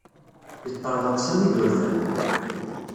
Yeṭṭerḍeq Sami d urfan.